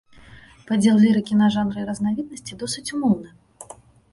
Падзел лірыкі на жанры і разнавіднасці досыць умоўны.